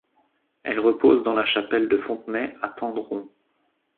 Elle repose dans la chapelle de Fontenay, à Tendron.